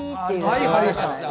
はいはい